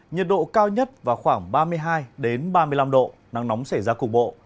nhật độ cao nhất vào khoảng ba mươi hai ba mươi năm độ nắng nóng sẽ ra cục bộ